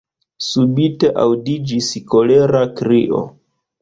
Subite aŭdiĝis kolera krio!